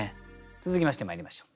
続きましてまいりましょう。